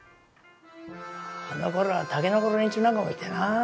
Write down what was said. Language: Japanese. あのころは竹の子の連中なんかもいてな。